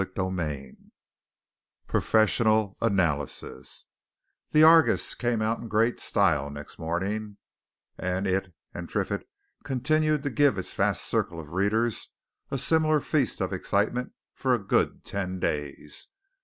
CHAPTER XXV PROFESSIONAL ANALYSIS The Argus came out in great style next morning, and it and Triffitt continued to give its vast circle of readers a similar feast of excitement for a good ten days.